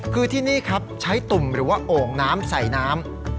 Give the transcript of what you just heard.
คือที่นี่ครับใช้ตุ่มหรือว่าโอ่งน้ำใส่น้ำ